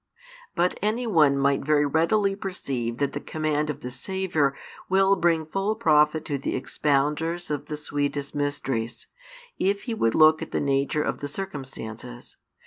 |412 But any one might very readily perceive that the command of the Saviour will bring full profit to the expounders of the sweetest mysteries, if he would look at the nature of the circumstances.